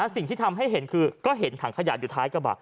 สิ่งที่ทำให้เห็นคือก็เห็นถังขยะอยู่ท้ายกระบะ